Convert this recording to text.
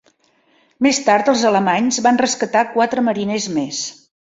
Més tard, els alemanys van rescatar quatre mariners més.